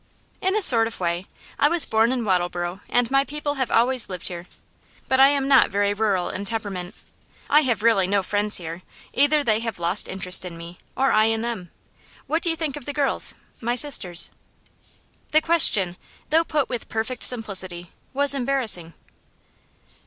'In a sort of way. I was born in Wattleborough, and my people have always lived here. But I am not very rural in temperament. I have really no friends here; either they have lost interest in me, or I in them. What do you think of the girls, my sisters?' The question, though put with perfect simplicity, was embarrassing.